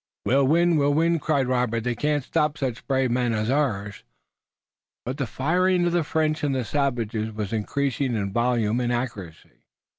"We'll win! We'll win!" cried Robert. "They can't stop such brave men as ours!" But the fire of the French and the savages was increasing in volume and accuracy.